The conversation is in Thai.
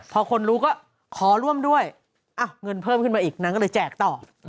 พอคนรู้ก็ขอร่วมด้วยเงินเพิ่มขึ้นมาอีกนางก็เลยแจกต่อ